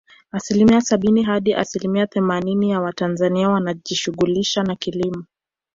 Asilimia sabini hadi asilimia themanini ya watanzania wanajishughulisha na kilimo